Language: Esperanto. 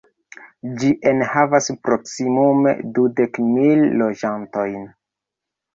Ĝi enhavas proksimume dudek mil loĝantojn.